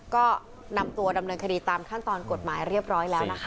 ก็นำตัวดำเนินคดีตามขั้นตอนกฎหมายเรียบร้อยแล้วนะคะ